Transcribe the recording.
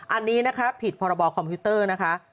อันนี้ผิดพรคและบอกว่า